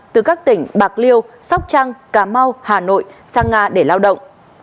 từ các tỉnh bạc liêu sóc trăng cà mau hà nội sang nga để lao động